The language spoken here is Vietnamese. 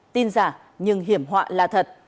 tin giả nhưng hiểm họa là thật